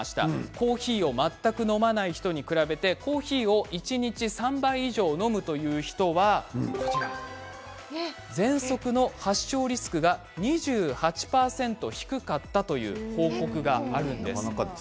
コーヒーを全く飲まない人に比べてコーヒーを一日３杯以上飲むという人はぜんそくの発症リスクが２８％低かったという報告があるんです。